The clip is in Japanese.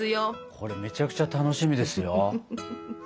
これめちゃくちゃ楽しみですよ。